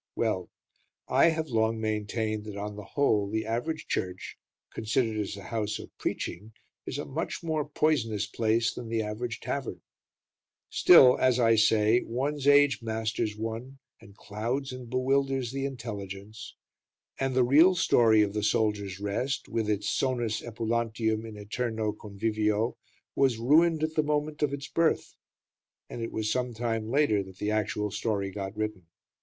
Well, I have long maintained that on the whole the average church, considered as a house of preaching, is a much more poisonous place than the average tavern; still, as I say, one's age masters one, and clouds and bewilders the intelligence, and the real story of "The Soldiers' Rest", with its "sonus epulantium in æterno convivio", was ruined at the moment of its birth, and it was some time later that the actual story got written.